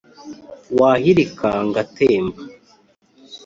wahilika ngatemba